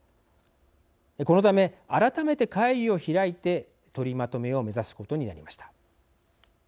このため、改めて会議を開いて取りまとめを目指すことになりました。